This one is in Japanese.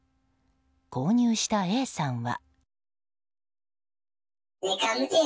購入したＡさんは。